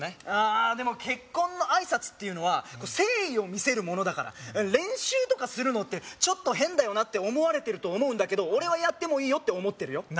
ああでも結婚の挨拶っていうのは誠意を見せるものだから練習とかするのってちょっと変だよなって思われてると思うんだけど俺はやってもいいよって思ってるよ